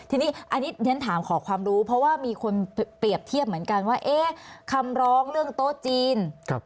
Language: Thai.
ทีนี้อันนี้ฉันถามขอความรู้เพราะว่ามีคนเปรียบเทียบเหมือนกันว่าเอ๊ะคำร้องเรื่องโต๊ะจีน